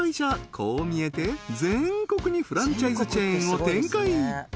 こう見えて全国にフランチャイズチェーンを展開